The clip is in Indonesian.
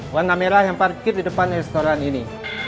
warna merah yang parkir di depan restoran ini